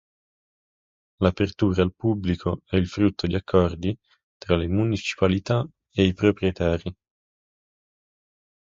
L'apertura al pubblico è il frutto di accordi tra le municipalità e i proprietari.